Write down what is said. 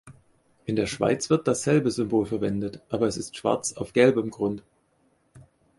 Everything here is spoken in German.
In der Schweiz wird dasselbe Symbol verwendet, aber es ist schwarz auf gelbem Grund.